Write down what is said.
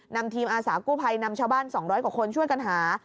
นำทีมอาสากู้ภัยนำชาวบ้าน๒๐๐กว่าคนช่วยกันหา